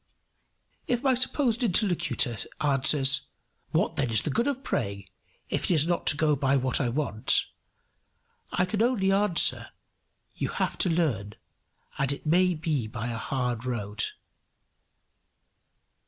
If my supposed interlocutor answers, "What then is the good of praying, if it is not to go by what I want?" I can only answer, "You have to learn, and it may be by a hard road."